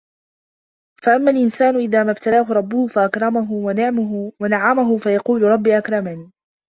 فأما الإنسان إذا ما ابتلاه ربه فأكرمه ونعمه فيقول ربي أكرمن